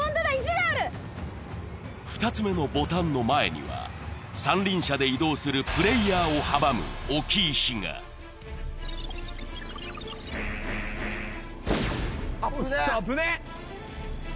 ２つ目のボタンの前には三輪車で移動するプレイヤーを阻む危ねえ！